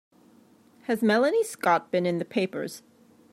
Has Melanie Scott been in the papers?